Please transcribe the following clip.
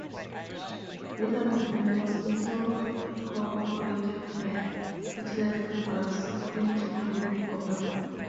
This assessment was also corroborated by satellite photographs according to Colin Powell.